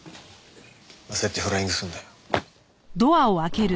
焦ってフライングすんなよ。